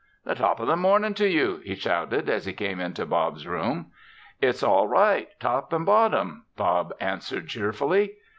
"The top of the morning to you!" he shouted, as he came into Bob's room. "It's all right top and bottom," Bob answered cheerfully.